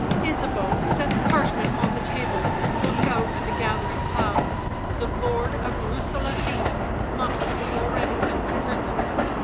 Ysabeau set the parchment on the table and looked out at the gathering clouds; the Lord of Rooselaare must have already left the prison.